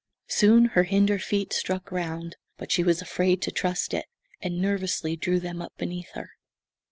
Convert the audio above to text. Soon her hinder feet struck ground but she was afraid to trust it, and nervously drew them up beneath her.